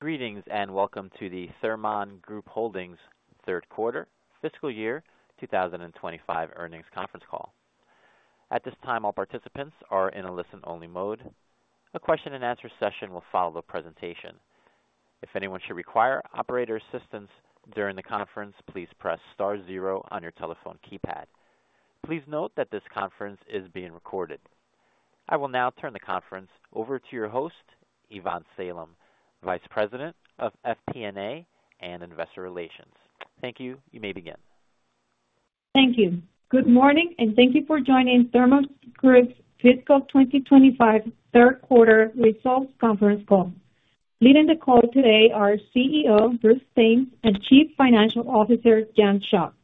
Greetings and welcome to the Thermon Group Holdings third quarter, fiscal year 2025 earnings conference call. At this time, all participants are in a listen-only mode. A question-and-answer session will follow the presentation. If anyone should require operator assistance during the conference, please press * 0 on your telephone keypad. Please note that this conference is being recorded. I will now turn the conference over to your host, Ivonne Salem, Vice President of FP&A and Investor Relations. Thank you. You may begin. Thank you. Good morning, and thank you for joining Thermon Group's fiscal 2025 third quarter results conference call. Leading the call today are CEO Bruce Thames and Chief Financial Officer Jan Schott.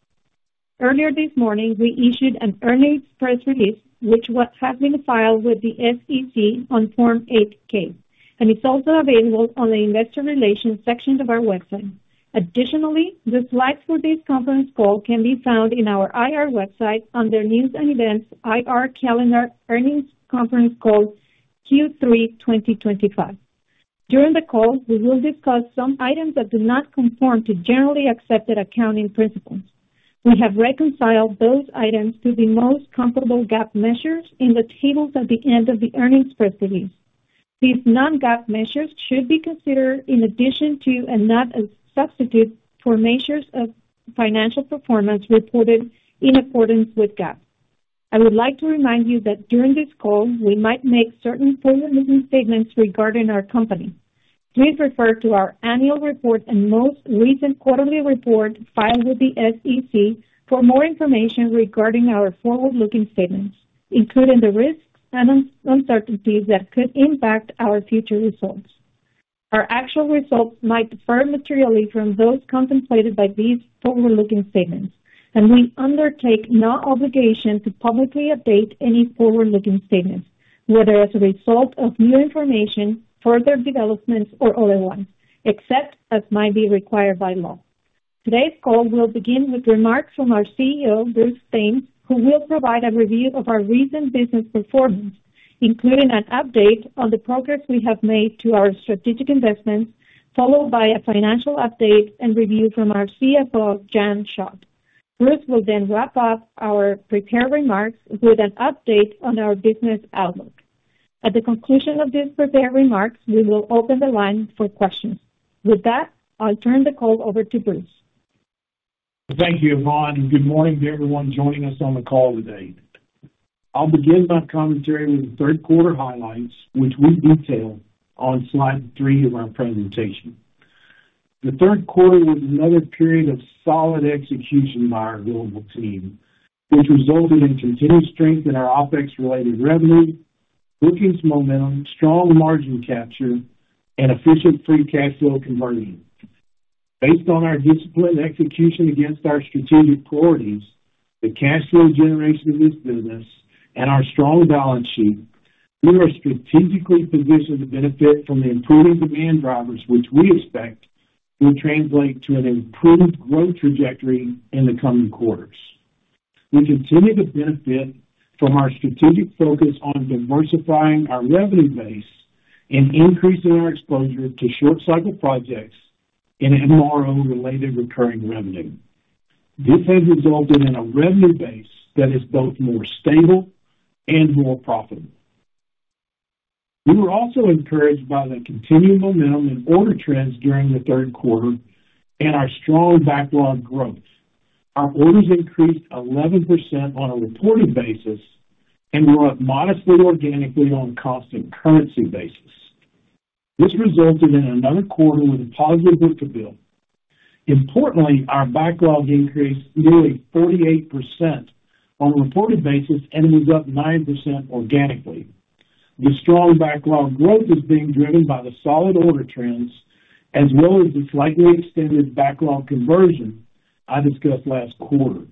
Earlier this morning, we issued an earnings press release, which has been filed with the SEC on Form 8-K, and it's also available on the investor relations section of our website. Additionally, the slides for this conference call can be found in our IR website under news and events, IR calendar, earnings conference call Q3 2025. During the call, we will discuss some items that do not conform to generally accepted accounting principles. We have reconciled those items to the most comparable GAAP measures in the tables at the end of the earnings press release. These non-GAAP measures should be considered in addition to and not substitute for measures of financial performance reported in accordance with GAAP. I would like to remind you that during this call, we might make certain forward-looking statements regarding our company. Please refer to our annual report and most recent quarterly report filed with the SEC for more information regarding our forward-looking statements, including the risks and uncertainties that could impact our future results. Our actual results might differ materially from those contemplated by these forward-looking statements, and we undertake no obligation to publicly update any forward-looking statements, whether as a result of new information, further developments, or other ones, except as might be required by law. Today's call will begin with remarks from our CEO, Bruce Thames, who will provide a review of our recent business performance, including an update on the progress we have made to our strategic investments, followed by a financial update and review from our CFO, Jan Schott. Bruce will then wrap up our prepared remarks with an update on our business outlook. At the conclusion of these prepared remarks, we will open the line for questions. With that, I'll turn the call over to Bruce. Thank you, Ivonne. Good morning to everyone joining us on the call today. I'll begin my commentary with the Q3 highlights, which we detailed on slide three of our presentation. The third quarter was another period of solid execution by our global team, which resulted in continued strength in our OpEx-related revenue, bookings momentum, strong margin capture, and efficient free cash flow conversion. Based on our discipline and execution against our strategic priorities, the cash flow generation of this business, and our strong balance sheet, we are strategically positioned to benefit from the improving demand drivers, which we expect will translate to an improved growth trajectory in the coming quarters. We continue to benefit from our strategic focus on diversifying our revenue base and increasing our exposure to short-cycle projects and MRO-related recurring revenue. This has resulted in a revenue base that is both more stable and more profitable. We were also encouraged by the continued momentum in order trends during the third quarter and our strong backlog growth. Our orders increased 11% on a reported basis and were up modestly organically on a constant currency basis. This resulted in another quarter with a positive book-to-bill. Importantly, our backlog increased nearly 48% on a reported basis, and it was up 9% organically. The strong backlog growth is being driven by the solid order trends, as well as the slightly extended backlog conversion I discussed last quarter.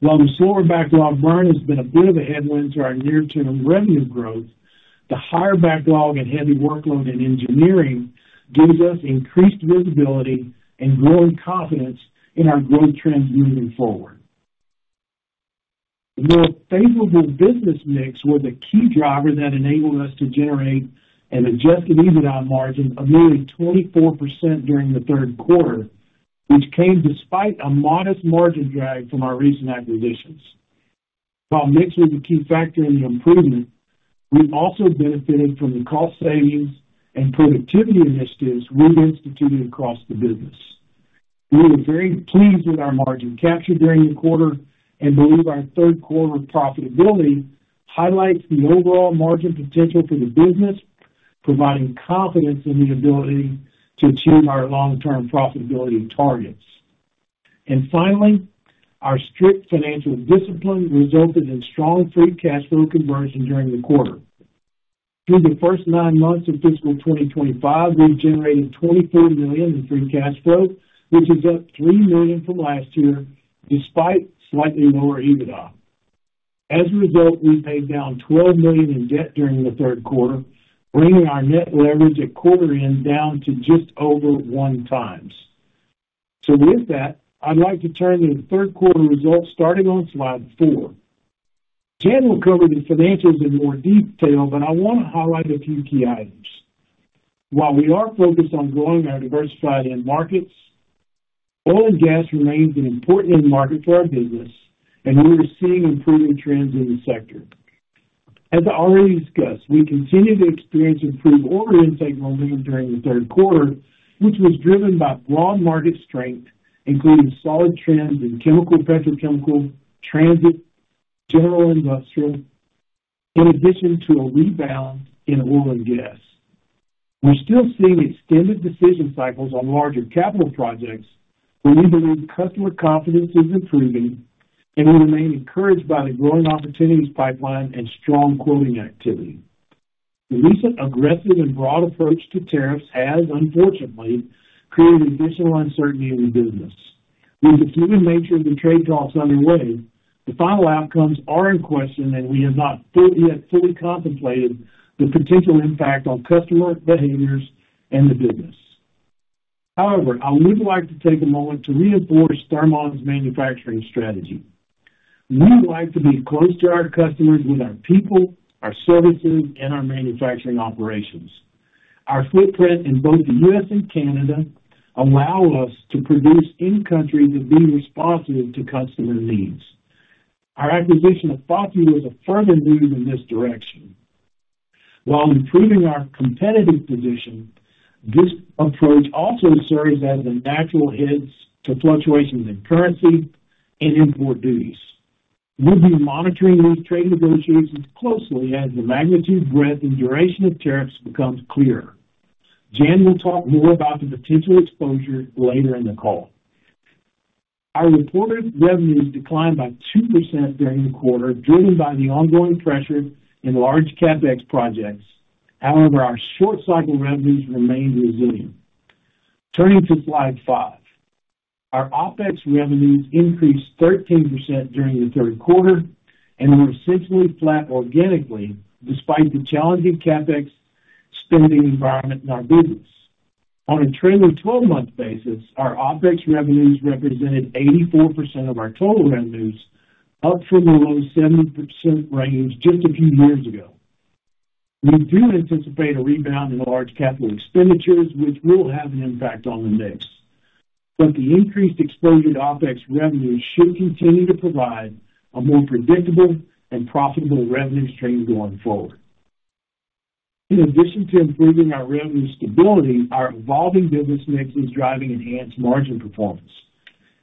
While the slower backlog burn has been a bit of a headwind to our near-term revenue growth, the higher backlog and heavy workload in engineering gives us increased visibility and growing confidence in our growth trends moving forward. The more favorable business mix was a key driver that enabled us to generate an Adjusted EBITDA margin of nearly 24% during the third quarter, which came despite a modest margin drag from our recent acquisitions. While mix was a key factor in the improvement, we also benefited from the cost savings and productivity initiatives we've instituted across the business. We were very pleased with our margin capture during the quarter and believe our third quarter profitability highlights the overall margin potential for the business, providing confidence in the ability to achieve our long-term profitability targets. Finally, our strict financial discipline resulted in strong Free Cash Flow conversion during the quarter. Through the first 9 months of fiscal 2025, we've generated $24 million in Free Cash Flow, which is up $3 million from last year, despite slightly lower EBITDA. As a result, we paid down $12 million in debt during the third quarter, bringing our net leverage at quarter-end down to just over one times. So with that, I'd like to turn to the third quarter results starting on slide four. Jan will cover the financials in more detail, but I want to highlight a few key items. While we are focused on growing our diversified end markets, oil and gas remains an important end market for our business, and we are seeing improving trends in the sector. As I already discussed, we continue to experience improved order intake momentum during the third quarter, which was driven by broad market strength, including solid trends in chemical, petrochemical, transit, and general industrial, in addition to a rebound in oil and gas. We're still seeing extended decision cycles on larger capital projects, but we believe customer confidence is improving, and we remain encouraged by the growing opportunities pipeline and strong quoting activity. The recent aggressive and broad approach to tariffs has, unfortunately, created additional uncertainty in the business. With the human nature of the trade talks underway, the final outcomes are in question, and we have not yet fully contemplated the potential impact on customer behaviors and the business. However, I would like to take a moment to reinforce Thermon's manufacturing strategy. We like to be close to our customers with our people, our services, and our manufacturing operations. Our footprint in both the U.S. and Canada allows us to produce in countries that be responsive to customer needs. Our acquisition of F.A.T.I. was a firm move in this direction. While improving our competitive position, this approach also serves as a natural hedge to fluctuations in currency and import duties. We'll be monitoring these trade negotiations closely as the magnitude, breadth, and duration of tariffs becomes clearer. Jan will talk more about the potential exposure later in the call. Our reported revenues declined by 2% during the quarter, driven by the ongoing pressure in large CapEx projects. However, our short-cycle revenues remained resilient. Turning to slide five, our OpEx revenues increased 13% during the third quarter and were essentially flat organically despite the challenging CapEx spending environment in our business. On a trailing 12-month basis, our OpEx revenues represented 84% of our total revenues, up from the low 70% range just a few years ago. We do anticipate a rebound in large capital expenditures, which will have an impact on the mix, but the increased exposure to OpEx revenues should continue to provide a more predictable and profitable revenue stream going forward. In addition to improving our revenue stability, our evolving business mix is driving enhanced margin performance.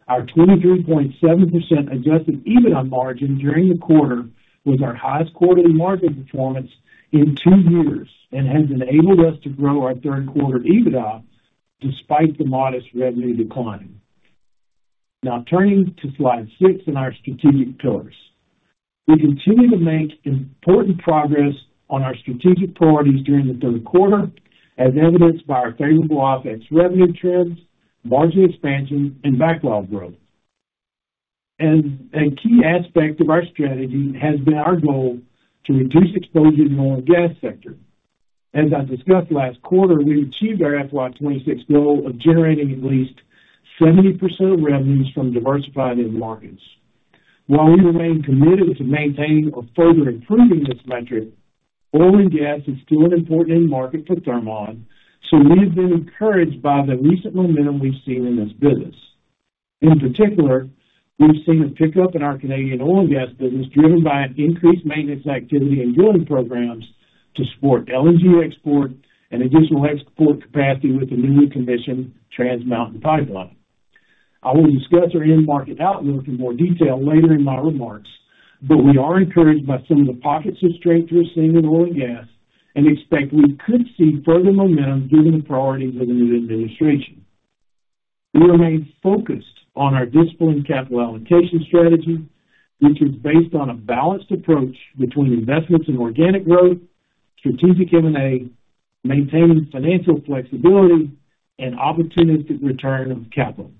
Our 23.7% adjusted EBITDA margin during the quarter was our highest quarterly margin performance in two years and has enabled us to grow our third quarter EBITDA despite the modest revenue decline. Now, turning to slide six and our strategic pillars, we continue to make important progress on our strategic priorities during the third quarter, as evidenced by our favorable OpEx revenue trends, margin expansion, and backlog growth, and a key aspect of our strategy has been our goal to reduce exposure in the oil and gas sector. As I discussed last quarter, we achieved our FY26 goal of generating at least 70% of revenues from diversified end markets. While we remain committed to maintaining or further improving this metric, oil and gas is still an important end market for Thermon, so we have been encouraged by the recent momentum we've seen in this business. In particular, we've seen a pickup in our Canadian oil and gas business driven by an increased maintenance activity and drilling programs to support LNG export and additional export capacity with the newly commissioned Trans Mountain Pipeline. I will discuss our end market outlook in more detail later in my remarks, but we are encouraged by some of the pockets of strength we're seeing in oil and gas and expect we could see further momentum given the priorities of the new administration. We remain focused on our disciplined capital allocation strategy, which is based on a balanced approach between investments in organic growth, strategic M&A, maintaining financial flexibility, and opportunistic return of capital.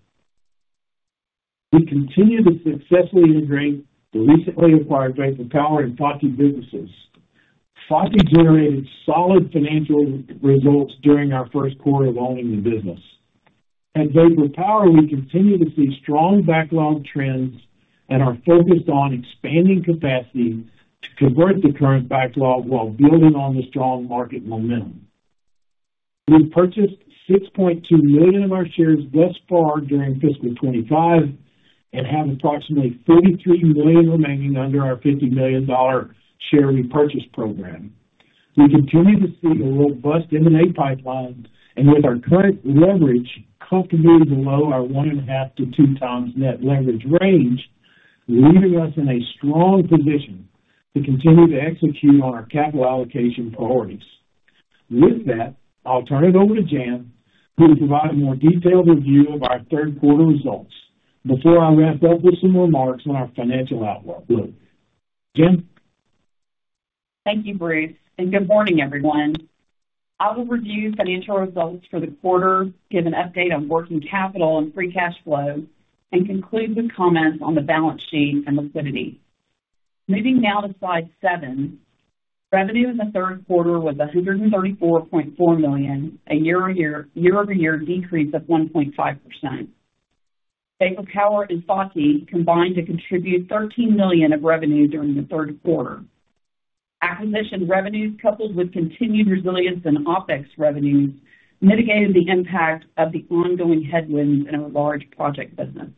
We continue to successfully integrate the recently acquired Vapor Power and F.A.T.I. businesses. F.A.T.I. generated solid financial results during our first quarter of owning the business. At Vapor Power, we continue to see strong backlog trends and are focused on expanding capacity to convert the current backlog while building on the strong market momentum. We purchased 6.2 million of our shares thus far during fiscal 2025 and have approximately 43 million remaining under our $50 million share repurchase program. We continue to see a robust M&A pipeline and, with our current leverage, comfortably below our 1.5-2 times net leverage range, leaving us in a strong position to continue to execute on our capital allocation priorities. With that, I'll turn it over to Jan, who will provide a more detailed review of our third quarter results before I wrap up with some remarks on our financial outlook. Jan. Thank you, Bruce, and good morning, everyone. I will review financial results for the quarter, give an update on working capital and free cash flow, and conclude with comments on the balance sheet and liquidity. Moving now to slide seven, revenue in the third quarter was $134.4 million, a year-over-year decrease of 1.5%. Vapor Power and F.A.T.I. combined to contribute $13 million of revenue during the third quarter. Acquisition revenues, coupled with continued resilience in OPEX revenues, mitigated the impact of the ongoing headwinds in our large project business.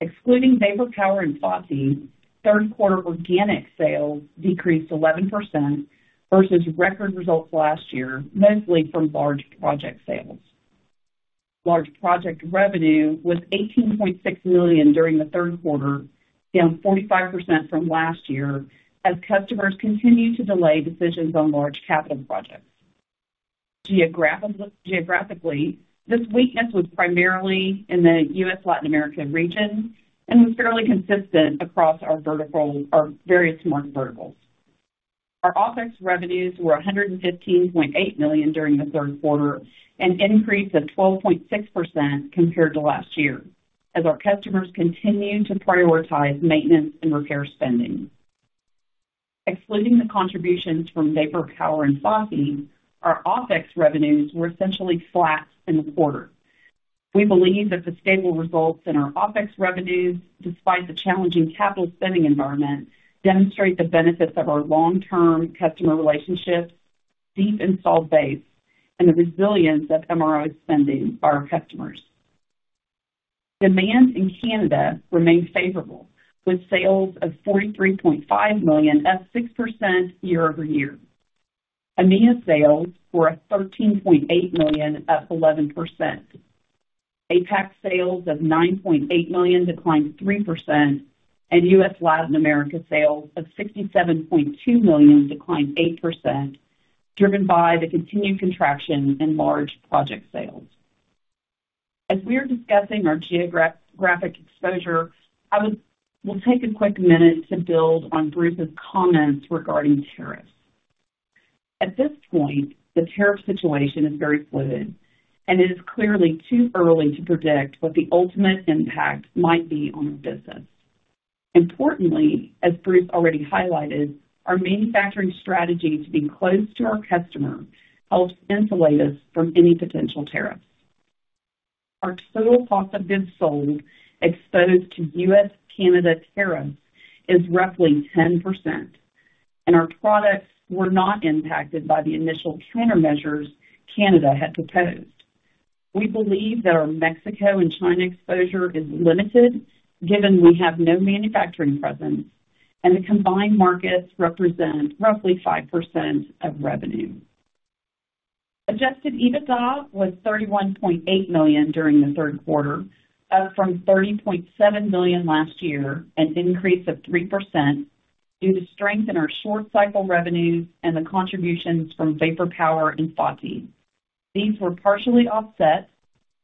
Excluding Vapor Power and F.A.T.I., third quarter organic sales decreased 11% versus record results last year, mostly from large project sales. Large project revenue was $18.6 million during the third quarter, down 45% from last year, as customers continue to delay decisions on large capital projects. Geographically, this weakness was primarily in the U.S. Latin American region and was fairly consistent across our various market verticals. Our OpEx revenues were $115.8 million during the third quarter, an increase of 12.6% compared to last year, as our customers continue to prioritize maintenance and repair spending. Excluding the contributions from Vapor Power and F.A.T.I., our OpEx revenues were essentially flat in the quarter. We believe that the stable results in our OpEx revenues, despite the challenging capital spending environment, demonstrate the benefits of our long-term customer relationship, deep installed base, and the resilience of MRO spending by our customers. Demand in Canada remained favorable, with sales of $43.5 million up 6% year-over-year. EMEA sales were at $13.8 million, up 11%. APAC sales of $9.8 million declined 3%, and U.S. Latin America sales of $67.2 million declined 8%, driven by the continued contraction in large project sales. As we are discussing our geographic exposure, I will take a quick minute to build on Bruce's comments regarding tariffs. At this point, the tariff situation is very fluid, and it is clearly too early to predict what the ultimate impact might be on our business. Importantly, as Bruce already highlighted, our manufacturing strategy to be close to our customer helps insulate us from any potential tariffs. Our total cost of goods sold exposed to U.S. Canada tariffs is roughly 10%, and our products were not impacted by the initial countermeasures Canada had proposed. We believe that our Mexico and China exposure is limited, given we have no manufacturing presence, and the combined markets represent roughly 5% of revenue. Adjusted EBITDA was $31.8 million during the third quarter, up from $30.7 million last year, an increase of 3% due to strength in our short-cycle revenues and the contributions from Vapor Power and F.A.T.I. These were partially offset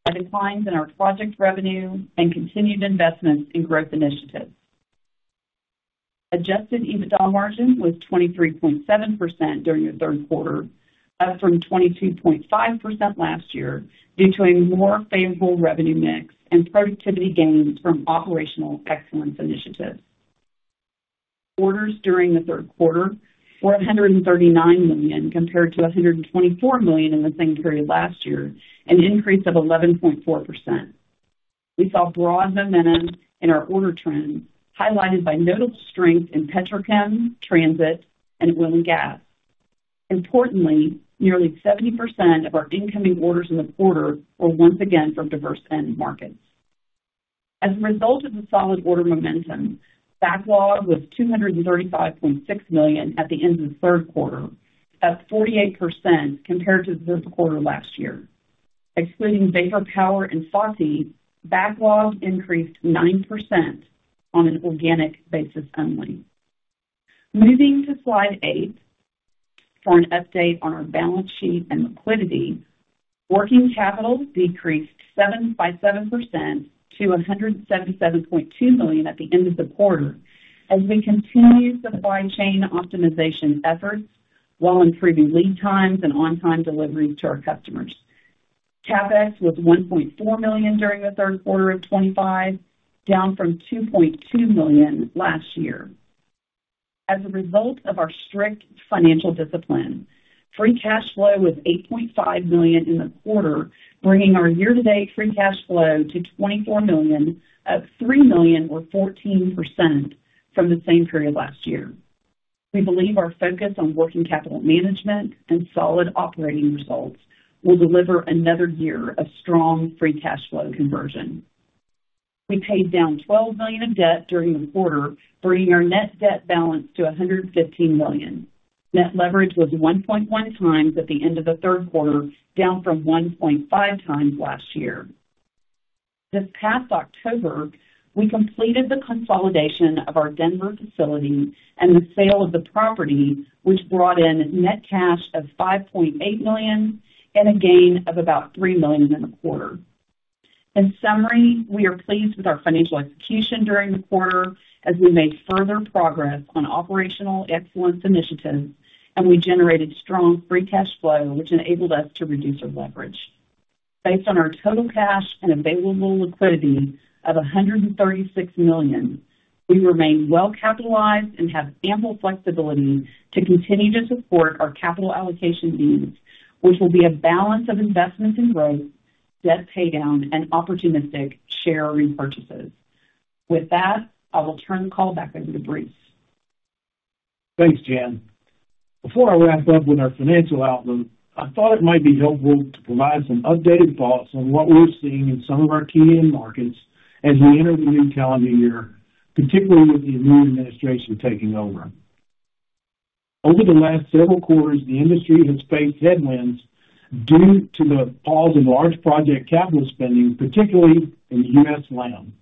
by declines in our project revenue and continued investments in growth initiatives. Adjusted EBITDA margin was 23.7% during the third quarter, up from 22.5% last year due to a more favorable revenue mix and productivity gains from operational excellence initiatives. Orders during the third quarter were $139 million compared to $124 million in the same period last year, an increase of 11.4%. We saw broad momentum in our order trends, highlighted by notable strength in petrochem, transit, and oil and gas. Importantly, nearly 70% of our incoming orders in the quarter were once again from diverse end markets. As a result of the solid order momentum, backlog was $235.6 million at the end of the third quarter, up 48% compared to the third quarter last year. Excluding Vapor Power and F.A.T.I., backlog increased 9% on an organic basis only. Moving to slide eight for an update on our balance sheet and liquidity, working capital decreased 7.7% to $177.2 million at the end of the quarter as we continue supply chain optimization efforts while improving lead times and on-time deliveries to our customers. CapEx was $1.4 million during the third quarter of 2025, down from $2.2 million last year. As a result of our strict financial discipline, free cash flow was $8.5 million in the quarter, bringing our year-to-date free cash flow to $24 million, up $3 million, or 14% from the same period last year. We believe our focus on working capital management and solid operating results will deliver another year of strong free cash flow conversion. We paid down $12 million of debt during the quarter, bringing our net debt balance to $115 million. Net leverage was 1.1 times at the end of the third quarter, down from 1.5 times last year. This past October, we completed the consolidation of our Denver facility and the sale of the property, which brought in net cash of $5.8 million and a gain of about $3 million in the quarter. In summary, we are pleased with our financial execution during the quarter as we made further progress on operational excellence initiatives, and we generated strong free cash flow, which enabled us to reduce our leverage. Based on our total cash and available liquidity of $136 million, we remain well-capitalized and have ample flexibility to continue to support our capital allocation needs, which will be a balance of investments in growth, debt paydown, and opportunistic share repurchases. With that, I will turn the call back over to Bruce. Thanks, Jan. Before I wrap up with our financial outlook, I thought it might be helpful to provide some updated thoughts on what we're seeing in some of our key end markets as we enter the new calendar year, particularly with the new administration taking over. Over the last several quarters, the industry has faced headwinds due to the pause in large project capital spending, particularly in the U.S. land.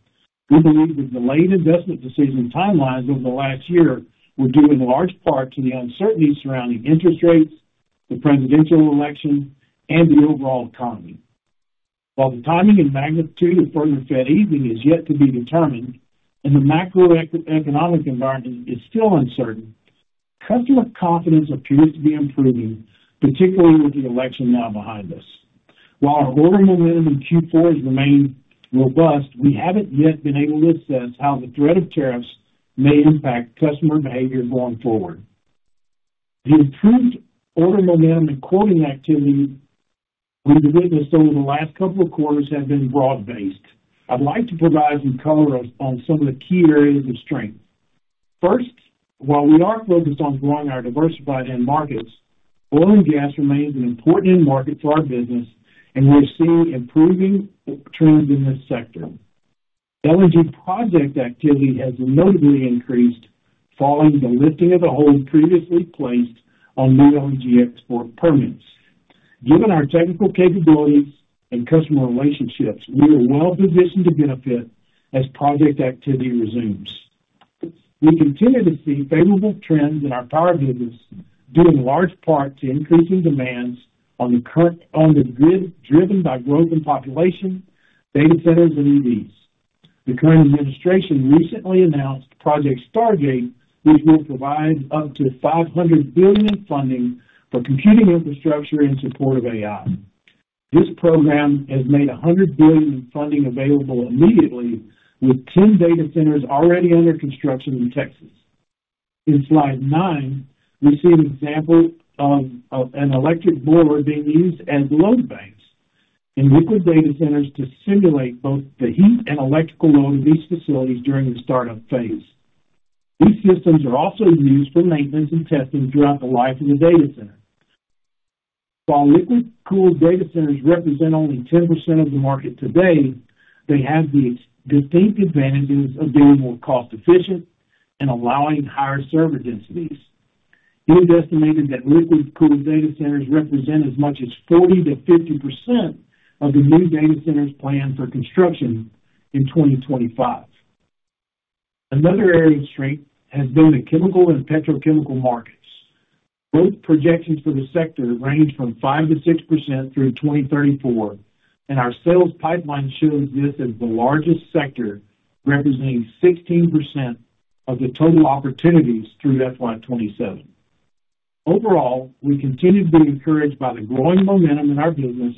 We believe the delayed investment decision timelines over the last year were due in large part to the uncertainty surrounding interest rates, the presidential election, and the overall economy. While the timing and magnitude of further Fed easing is yet to be determined and the macroeconomic environment is still uncertain, customer confidence appears to be improving, particularly with the election now behind us. While our order momentum in Q4 has remained robust, we haven't yet been able to assess how the threat of tariffs may impact customer behavior going forward. The improved order momentum and quoting activity we've witnessed over the last couple of quarters has been broad-based. I'd like to provide some color on some of the key areas of strength. First, while we are focused on growing our diversified end markets, oil and gas remains an important end market for our business, and we're seeing improving trends in this sector. LNG project activity has notably increased following the lifting of the hold previously placed on new LNG export permits. Given our technical capabilities and customer relationships, we are well-positioned to benefit as project activity resumes. We continue to see favorable trends in our power business, due in large part to increasing demands on the grid driven by growth in population, data centers, and EVs. The current administration recently announced Project Stargate, which will provide up to $500 billion in funding for computing infrastructure in support of AI. This program has made $100 billion in funding available immediately, with 10 data centers already under construction in Texas. In slide nine, we see an example of an electric board being used as load banks in liquid-cooled data centers to simulate both the heat and electrical load of these facilities during the startup phase. These systems are also used for maintenance and testing throughout the life of the data center. While liquid-cooled data centers represent only 10% of the market today, they have the distinct advantages of being more cost-efficient and allowing higher server densities. It is estimated that liquid-cooled data centers represent as much as 40%-50% of the new data centers planned for construction in 2025. Another area of strength has been the chemical and petrochemical markets. Growth projections for the sector range from 5%-6% through 2034, and our sales pipeline shows this as the largest sector, representing 16% of the total opportunities through FY27. Overall, we continue to be encouraged by the growing momentum in our business,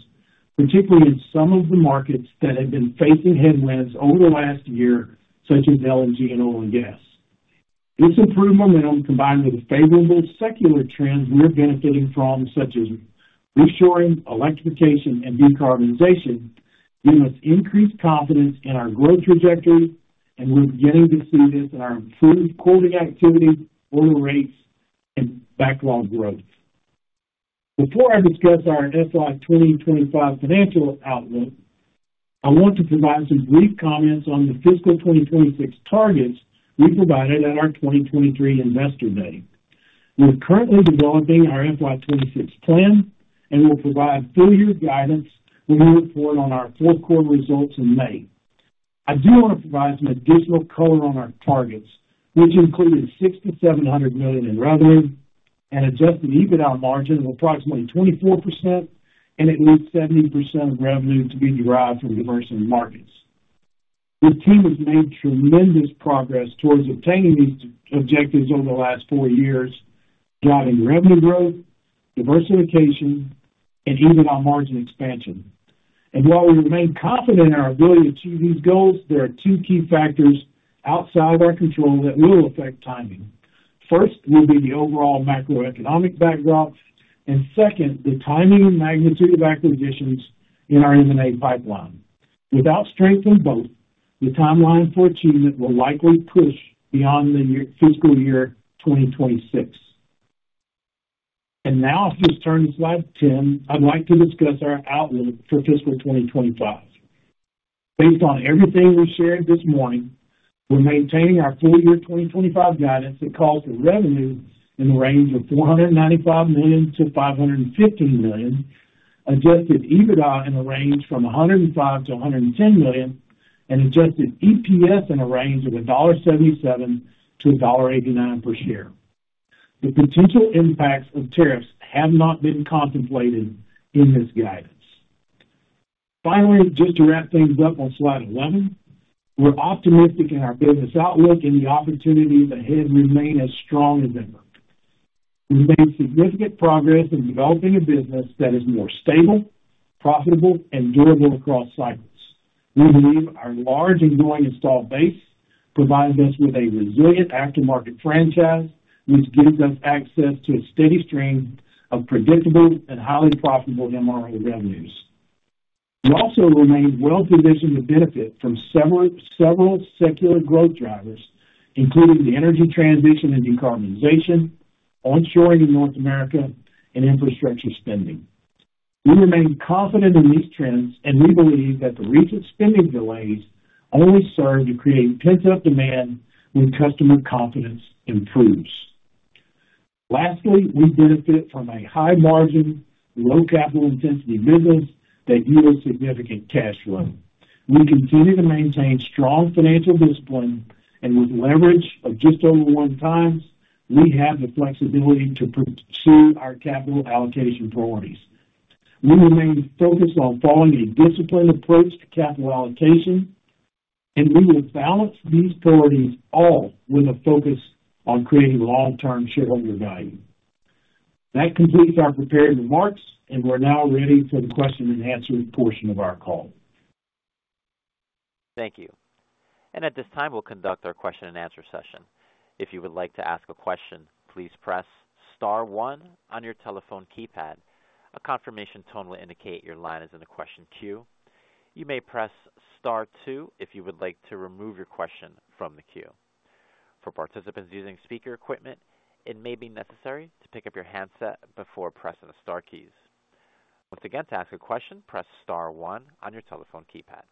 particularly in some of the markets that have been facing headwinds over the last year, such as LNG and oil and gas. This improved momentum, combined with the favorable secular trends we're benefiting from, such as reshoring, electrification, and decarbonization, gives us increased confidence in our growth trajectory, and we're beginning to see this in our improved quoting activity, order rates, and backlog growth. Before I discuss our FY 2025 financial outlook, I want to provide some brief comments on the fiscal 2026 targets we provided at our 2023 investor day. We're currently developing our FY26 plan, and we'll provide full-year guidance when we report on our fourth quarter results in May. I do want to provide some additional color on our targets, which included $600 million-$700 million in revenue and adjusted EBITDA margin of approximately 24%, and it leaves 70% of revenue to be derived from diverse markets. The team has made tremendous progress towards obtaining these objectives over the last four years, driving revenue growth, diversification, and EBITDA margin expansion. And while we remain confident in our ability to achieve these goals, there are two key factors outside of our control that will affect timing. First, will be the overall macroeconomic backdrop, and second, the timing and magnitude of acquisitions in our M&A pipeline. Without strength in both, the timeline for achievement will likely push beyond the fiscal year 2026. And now, I'll just turn to slide 10. I'd like to discuss our outlook for fiscal 2025. Based on everything we shared this morning, we're maintaining our full-year 2025 guidance that calls for revenue in the range of $495 million-$515 million, adjusted EBITDA in the range from $105 million-$110 million, and adjusted EPS in the range of $1.77-$1.89 per share. The potential impacts of tariffs have not been contemplated in this guidance. Finally, just to wrap things up on slide 11, we're optimistic in our business outlook and the opportunities ahead remain as strong as ever. We've made significant progress in developing a business that is more stable, profitable, and durable across cycles. We believe our large and growing install base provides us with a resilient aftermarket franchise, which gives us access to a steady stream of predictable and highly profitable MRO revenues. We also remain well-positioned to benefit from several secular growth drivers, including the energy transition and decarbonization, onshoring in North America, and infrastructure spending. We remain confident in these trends, and we believe that the recent spending delays only serve to create pent-up demand when customer confidence improves. Lastly, we benefit from a high-margin, low-capital-intensity business that yields significant cash flow. We continue to maintain strong financial discipline, and with leverage of just over one time, we have the flexibility to pursue our capital allocation priorities. We remain focused on following a disciplined approach to capital allocation, and we will balance these priorities all with a focus on creating long-term shareholder value. That completes our prepared remarks, and we're now ready for the question-and-answer portion of our call. Thank you. And at this time, we'll conduct our question-and-answer session. If you would like to ask a question, please press Star 1 on your telephone keypad. A confirmation tone will indicate your line is in the question queue. You may press Star 2 if you would like to remove your question from the queue. For participants using speaker equipment, it may be necessary to pick up your handset before pressing the Star keys. Once again, to ask a question, press Star 1 on your telephone keypad.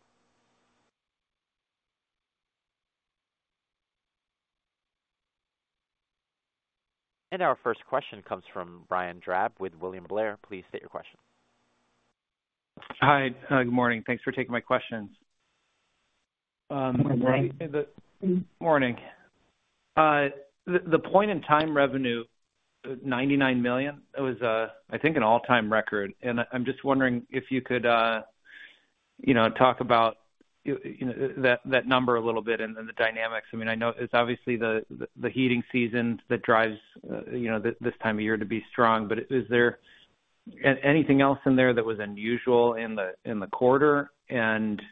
And our first question comes from Brian Drab with William Blair. Please state your question. Hi. Good morning. Thanks for taking my questions. Good morning. Morning. The point-in-time revenue, $99 million, was, I think, an all-time record, and I'm just wondering if you could talk about that number a little bit and the dynamics. I mean, I know it's obviously the heating season that drives this time of year to be strong, but is there anything else in there that was unusual in the quarter, and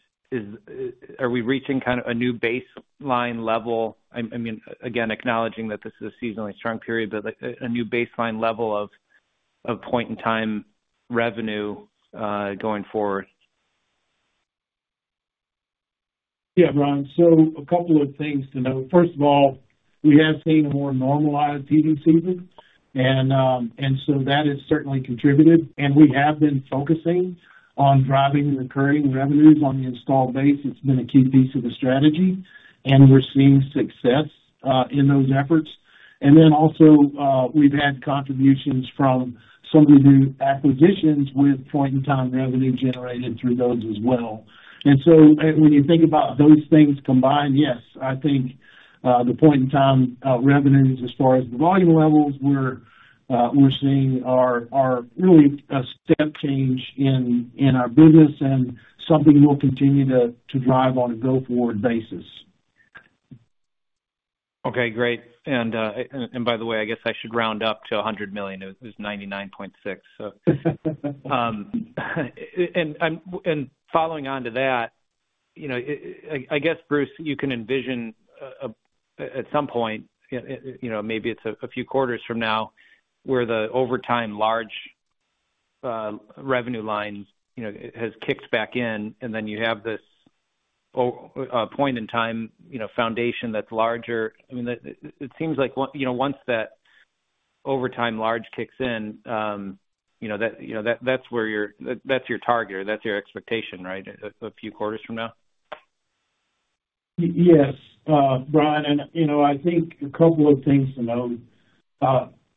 are we reaching kind of a new baseline level? I mean, again, acknowledging that this is a seasonally strong period, but a new baseline level of point-in-time revenue going forward. Yeah, Brian. So a couple of things to note. First of all, we have seen a more normalized heating season, and so that has certainly contributed. And we have been focusing on driving recurring revenues on the install base. It's been a key piece of the strategy, and we're seeing success in those efforts. And then also, we've had contributions from some of the new acquisitions with point-in-time revenue generated through those as well. And so when you think about those things combined, yes, I think the point-in-time revenues, as far as the volume levels, we're seeing are really a step change in our business and something we'll continue to drive on a go-forward basis. Okay. Great. And by the way, I guess I should round up to $100 million. It was $99.6 million, so. And following on to that, I guess, Bruce, you can envision at some point, maybe it's a few quarters from now, where the overtime large revenue line has kicked back in, and then you have this point-in-time foundation that's larger. I mean, it seems like once that overtime large kicks in, that's your target, or that's your expectation, right, a few quarters from now? Yes, Brian. And I think a couple of things to note.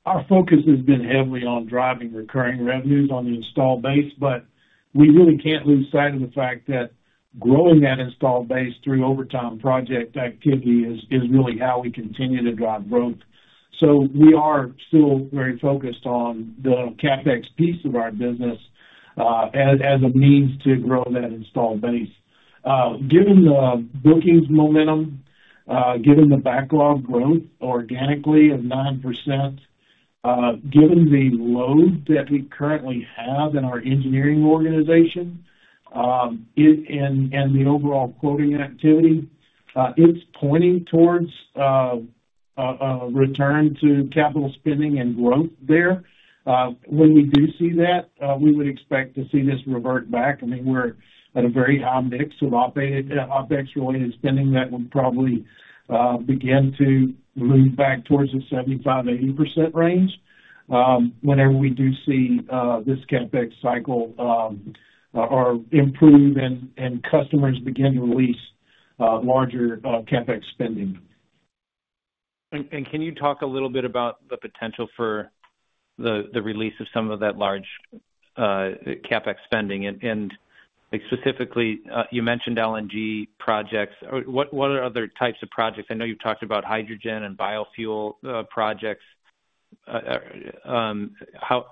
Our focus has been heavily on driving recurring revenues on the install base, but we really can't lose sight of the fact that growing that install base through overtime project activity is really how we continue to drive growth. So we are still very focused on the CapEx piece of our business as a means to grow that install base. Given the bookings momentum, given the backlog growth organically of 9%, given the load that we currently have in our engineering organization and the overall quoting activity, it's pointing towards a return to capital spending and growth there. When we do see that, we would expect to see this revert back. I mean, we're at a very high mix of OpEx-related spending that would probably begin to move back towards the 75%-80% range whenever we do see this CapEx cycle improve and customers begin to release larger CapEx spending. Can you talk a little bit about the potential for the release of some of that large CapEx spending? Specifically, you mentioned LNG projects. What are other types of projects? I know you've talked about hydrogen and biofuel projects. How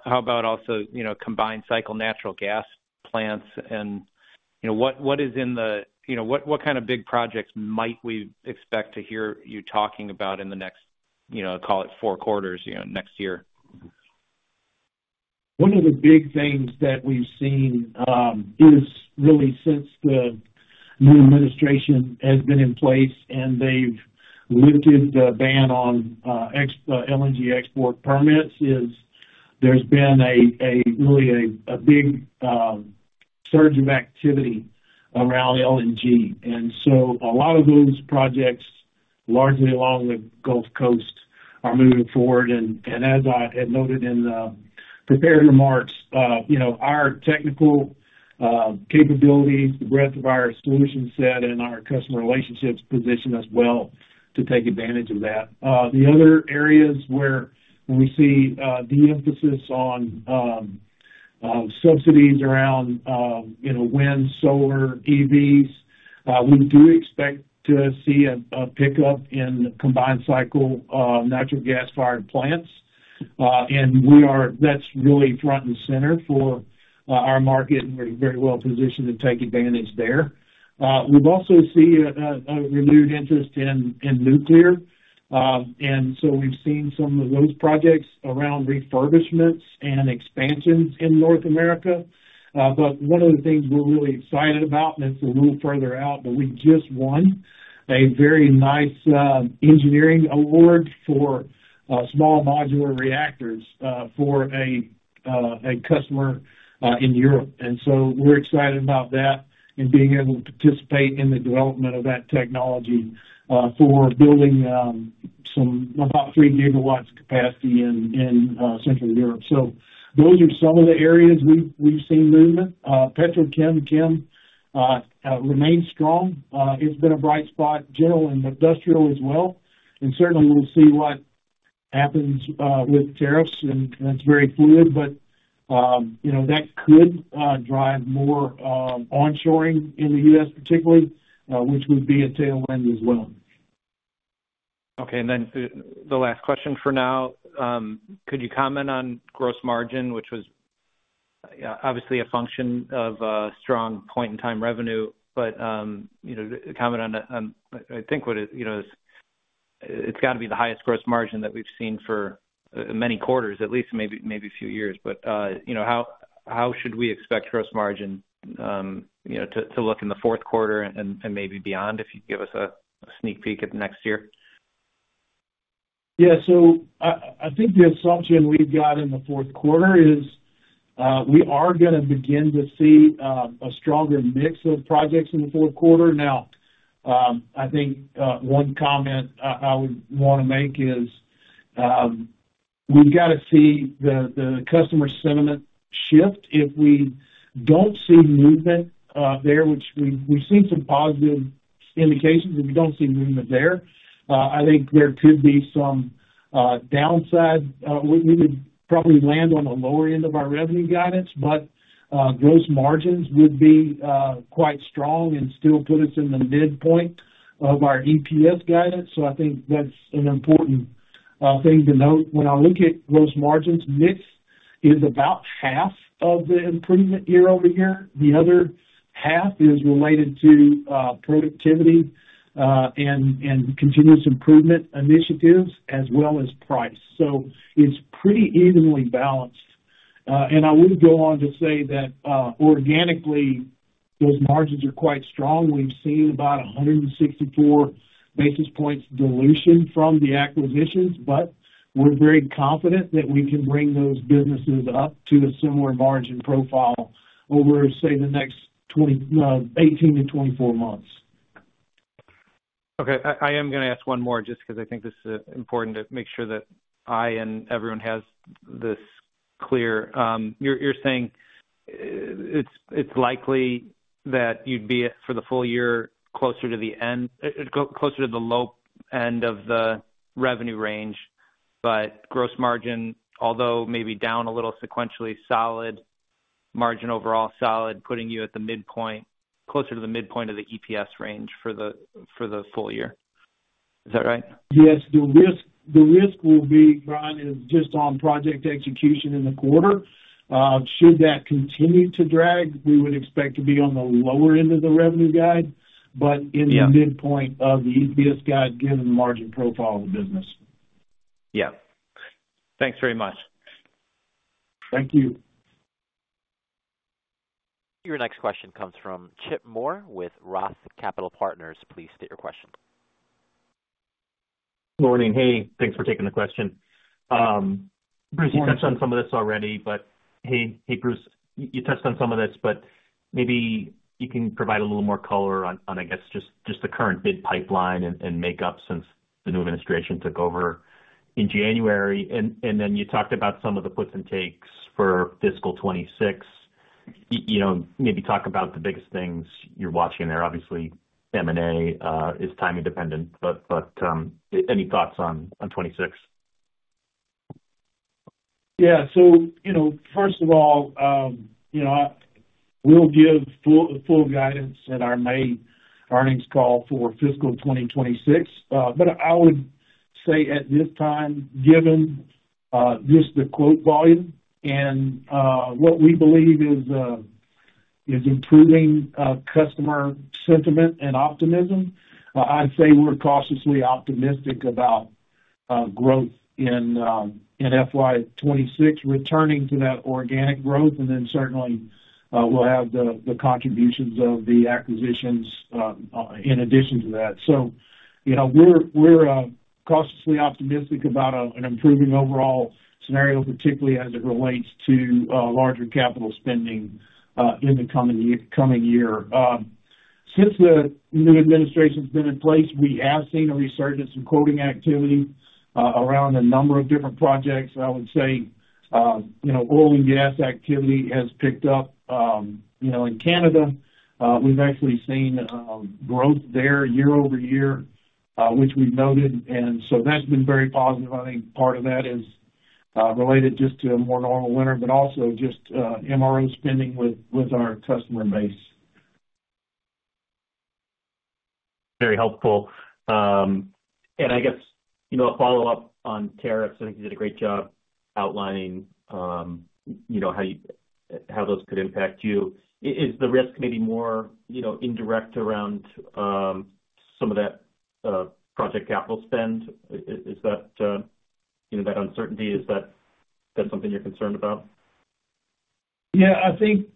about also combined cycle natural gas plants? And what kind of big projects might we expect to hear you talking about in the next, call it, four quarters next year? One of the big things that we've seen is really since the new administration has been in place and they've lifted the ban on LNG export permits, there's been really a big surge of activity around LNG. And so a lot of those projects, largely along the Gulf Coast, are moving forward. And as I had noted in the prepared remarks, our technical capabilities, the breadth of our solution set, and our customer relationships position us well to take advantage of that. The other areas where we see the emphasis on subsidies around wind, solar, EVs, we do expect to see a pickup in combined cycle natural gas-fired plants. And that's really front and center for our market, and we're very well-positioned to take advantage there. We've also seen a renewed interest in nuclear. And so we've seen some of those projects around refurbishments and expansions in North America. But one of the things we're really excited about, and it's a little further out, but we just won a very nice engineering award for small modular reactors for a customer in Europe. And so we're excited about that and being able to participate in the development of that technology for building about three gigawatts of capacity in Central Europe. So those are some of the areas we've seen movement. Petrochem remain strong. It's been a bright spot, general, and industrial as well. And certainly, we'll see what happens with tariffs, and that's very fluid. But that could drive more onshoring in the U.S., particularly, which would be a tailwind as well. Okay. And then the last question for now, could you comment on gross margin, which was obviously a function of strong point-in-time revenue, but comment on, I think, what it's got to be the highest gross margin that we've seen for many quarters, at least maybe a few years. But how should we expect gross margin to look in the fourth quarter and maybe beyond if you give us a sneak peek at next year? Yeah. So I think the assumption we've got in the fourth quarter is we are going to begin to see a stronger mix of projects in the fourth quarter. Now, I think one comment I would want to make is we've got to see the customer sentiment shift. If we don't see movement there, which we've seen some positive indications, if we don't see movement there, I think there could be some downside. We would probably land on the lower end of our revenue guidance, but gross margins would be quite strong and still put us in the midpoint of our EPS guidance. So I think that's an important thing to note. When I look at gross margins, mix is about half of the improvement year-over-year. The other half is related to productivity and continuous improvement initiatives as well as price. So it's pretty evenly balanced. I would go on to say that organically, those margins are quite strong. We've seen about 164 basis points dilution from the acquisitions, but we're very confident that we can bring those businesses up to a similar margin profile over, say, the next 18-24 months. Okay. I am going to ask one more just because I think this is important to make sure that I and everyone has this clear. You're saying it's likely that you'd be for the full year closer to the end, closer to the low end of the revenue range, but gross margin, although maybe down a little sequentially, solid margin overall, solid, putting you at the midpoint, closer to the midpoint of the EPS range for the full year. Is that right? Yes. The risk will be, Brian, is just on project execution in the quarter. Should that continue to drag, we would expect to be on the lower end of the revenue guide, but in the midpoint of the EPS guide given the margin profile of the business. Yeah. Thanks very much. Thank you. Your next question comes from Chip Moore with Roth Capital Partners. Please state your question. Good morning. Hey. Thanks for taking the question. Bruce, you touched on some of this already, but maybe you can provide a little more color on, I guess, just the current bid pipeline and makeup since the new administration took over in January. And then you talked about some of the puts and takes for FY26. Maybe talk about the biggest things you're watching there. Obviously, M&A is timely dependent, but any thoughts on '26? Yeah. So first of all, we'll give full guidance in our May earnings call for fiscal 2026. But I would say at this time, given just the quote volume and what we believe is improving customer sentiment and optimism, I'd say we're cautiously optimistic about growth in FY26 returning to that organic growth. And then certainly, we'll have the contributions of the acquisitions in addition to that. So we're cautiously optimistic about an improving overall scenario, particularly as it relates to larger capital spending in the coming year. Since the new administration's been in place, we have seen a resurgence in quoting activity around a number of different projects. I would say oil and gas activity has picked up in Canada. We've actually seen growth there year over year, which we've noted. And so that's been very positive. I think part of that is related just to a more normal winter, but also just MRO spending with our customer base. Very helpful, and I guess a follow-up on tariffs. I think you did a great job outlining how those could impact you. Is the risk maybe more indirect around some of that project capital spend? Is that uncertainty? Is that something you're concerned about? Yeah. I think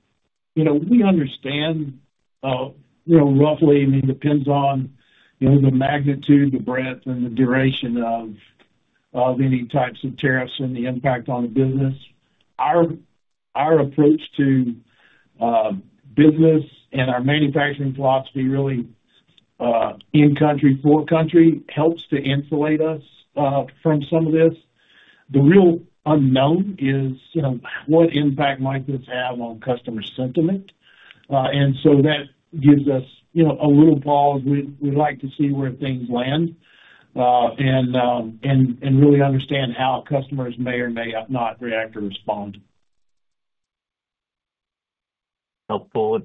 we understand roughly, and it depends on the magnitude, the breadth, and the duration of any types of tariffs and the impact on the business. Our approach to business and our manufacturing philosophy really in country, for country helps to insulate us from some of this. The real unknown is what impact might this have on customer sentiment. And so that gives us a little pause. We'd like to see where things land and really understand how customers may or may not react or respond. Helpful.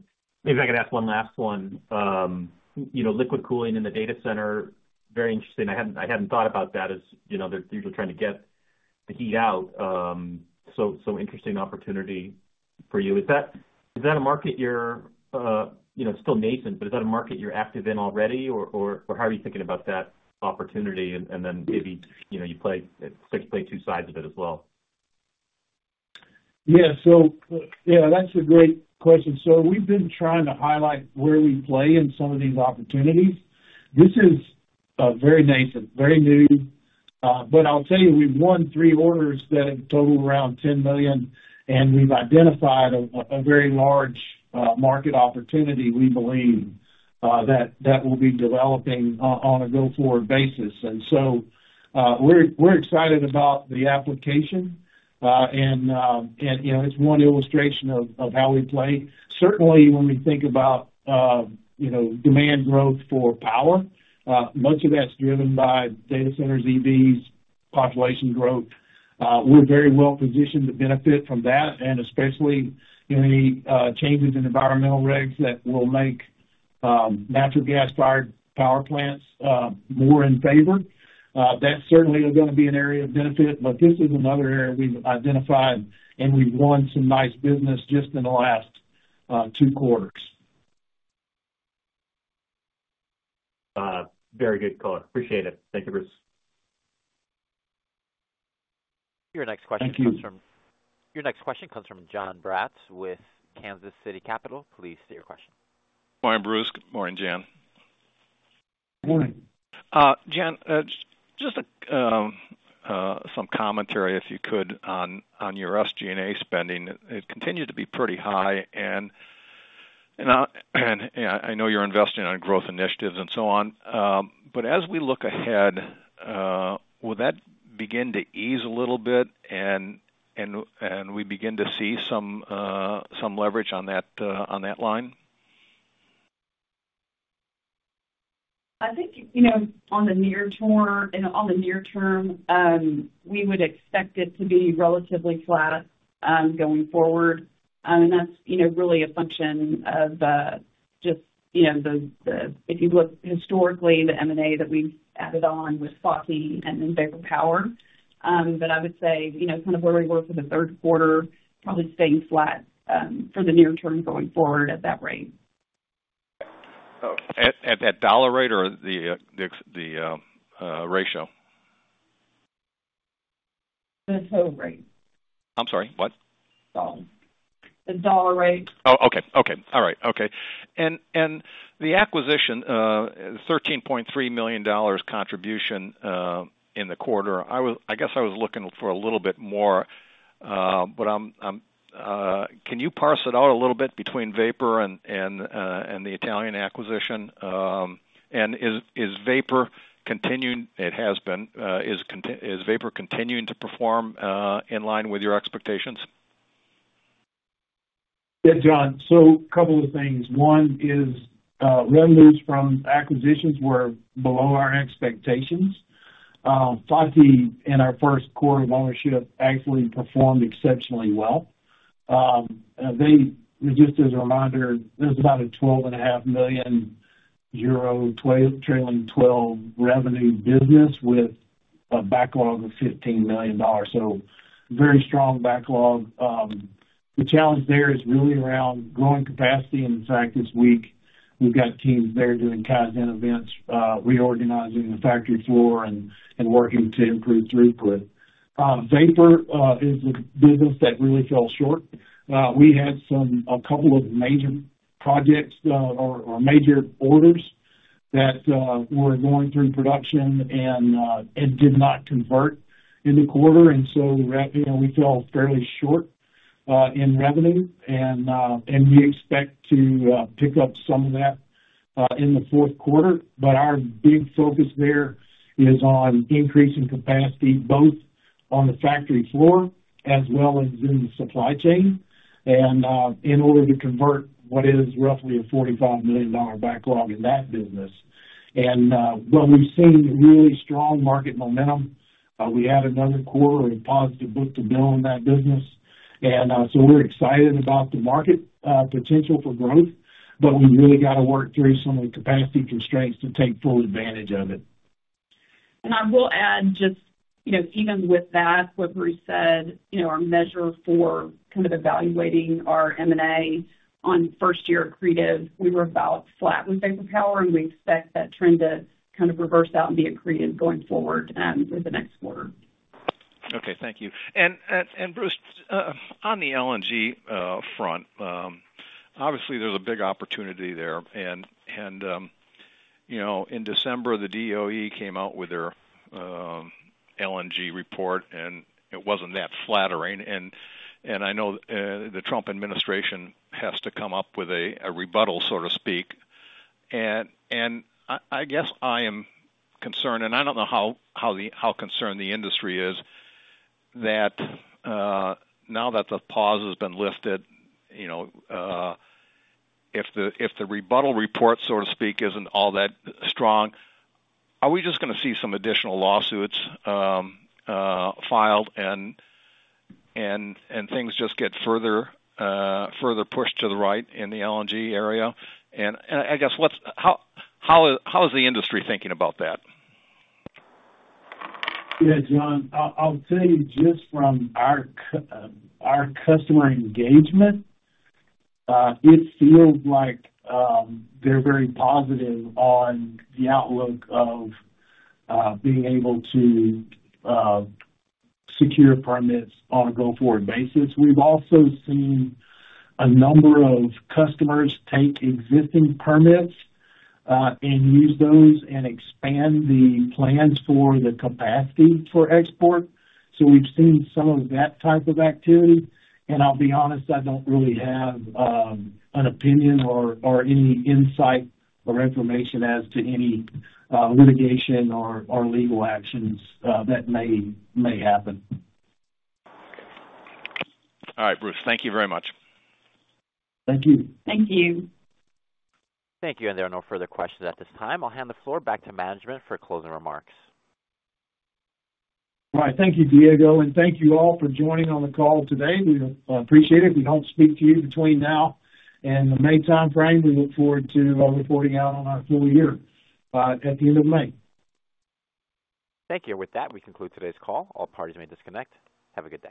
Maybe I can ask one last one. Liquid cooling in the data center, very interesting. I hadn't thought about that as they're usually trying to get the heat out. So interesting opportunity for you. Is that a market that's still nascent, but is that a market you're active in already, or how are you thinking about that opportunity? And then maybe you play two sides of it as well. Yeah. So yeah, that's a great question. So we've been trying to highlight where we play in some of these opportunities. This is very nascent, very new. But I'll tell you, we've won three orders that total around $10 million, and we've identified a very large market opportunity we believe that will be developing on a go-forward basis. And so we're excited about the application, and it's one illustration of how we play. Certainly, when we think about demand growth for power, much of that's driven by data centers, EVs, population growth. We're very well-positioned to benefit from that, and especially any changes in environmental regs that will make natural gas-fired power plants more in favor. That's certainly going to be an area of benefit, but this is another area we've identified, and we've won some nice business just in the last 2 quarters. Very good, Color. Appreciate it. Thank you, Bruce. Your next question comes from. Thank you. Your next question comes from Jonathan Braatz with Kansas City Capital. Please state your question. Morning, Bruce. Good morning, Jan. Good morning. Jan, just some commentary, if you could, on your SG&A spending. It continues to be pretty high, and I know you're investing on growth initiatives and so on. But as we look ahead, will that begin to ease a little bit, and we begin to see some leverage on that line? I think on the near term, we would expect it to be relatively flat going forward, and that's really a function of just if you look historically, the M&A that we've added on with F.A.T.I. and then Vapor Power, but I would say kind of where we were for the third quarter probably staying flat for the near term going forward at that rate. At that dollar rate or the ratio? The dollar rate. I'm sorry. What? The dollar rate. Oh, okay. All right. And the acquisition, $13.3 million contribution in the quarter, I guess I was looking for a little bit more, but can you parse it out a little bit between Vapor and the Italian acquisition? And is Vapor continuing, it has been, is Vapor continuing to perform in line with your expectations? Yeah, John. So a couple of things. One is revenues from acquisitions were below our expectations. F.A.T.I., in our first quarter of ownership, actually performed exceptionally well. Just as a reminder, there's about 12.5 million euro trailing 12 revenue business with a backlog of $15 million. So very strong backlog. The challenge there is really around growing capacity. And in fact, this week, we've got teams there doing Kaizen events, reorganizing the factory floor, and working to improve throughput. Vapor is a business that really fell short. We had a couple of major projects or major orders that were going through production and did not convert in the quarter. And so we fell fairly short in revenue, and we expect to pick up some of that in the fourth quarter. But our big focus there is on increasing capacity, both on the factory floor as well as in the supply chain, and in order to convert what is roughly a $45 million backlog in that business. And while we've seen really strong market momentum, we had another quarter of positive book to bill in that business. And so we're excited about the market potential for growth, but we really got to work through some of the capacity constraints to take full advantage of it. I will add just even with that, what Bruce said, our measure for kind of evaluating our M&A on first-year accretive. We were about flat with Vapor Power, and we expect that trend to kind of reverse out and be accretive going forward for the next quarter. Okay. Thank you. And Bruce, on the LNG front, obviously, there's a big opportunity there. And in December, the DOE came out with their LNG report, and it wasn't that flattering. And I know the Trump administration has to come up with a rebuttal, so to speak. And I guess I am concerned, and I don't know how concerned the industry is, that now that the pause has been lifted, if the rebuttal report, so to speak, isn't all that strong, are we just going to see some additional lawsuits filed and things just get further pushed to the right in the LNG area? And I guess, how is the industry thinking about that? Yeah, Jon. I'll tell you, just from our customer engagement, it feels like they're very positive on the outlook of being able to secure permits on a go-forward basis. We've also seen a number of customers take existing permits and use those and expand the plans for the capacity for export. So we've seen some of that type of activity. And I'll be honest, I don't really have an opinion or any insight or information as to any litigation or legal actions that may happen. All right, Bruce. Thank you very much. Thank you. Thank you. Thank you. There are no further questions at this time. I'll hand the floor back to management for closing remarks. All right. Thank you, Diego. And thank you all for joining on the call today. We appreciate it. We don't speak to you between now and the May timeframe. We look forward to reporting out on our full year at the end of May. Thank you. And with that, we conclude today's call. All parties may disconnect. Have a good day.